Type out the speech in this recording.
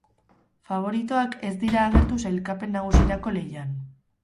Faboritoak ez dira agertu sailkapen nagusirako lehian.